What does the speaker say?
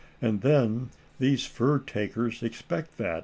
But then, these fur takers expect that.